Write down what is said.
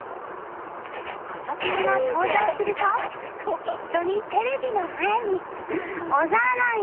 ガチャピンが登場すると一緒にテレビの前に。